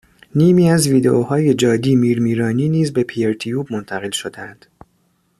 نیمی از ویدئوهای جادی میرمیرانی نیز به پیرتیوب منتقل شدهاند